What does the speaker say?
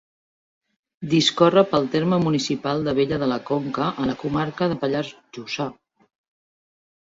Discorre pel terme municipal d'Abella de la Conca, a la comarca del Pallars Jussà.